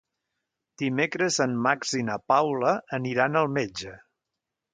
Dimecres en Max i na Paula aniran al metge.